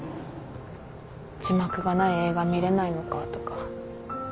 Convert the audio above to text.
字幕がない映画見れないのかとか。